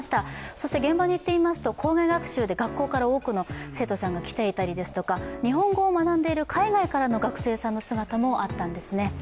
そして現場に行ってみますと、校外学習で学校から多くの生徒さんが来ていたりですとか日本語を学んでいる海外からの学生さんの姿もあったんですね。